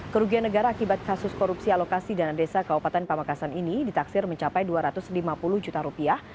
kerugian negara akibat kasus korupsi alokasi dana desa kabupaten pamekasan ini ditaksir mencapai dua ratus lima puluh juta rupiah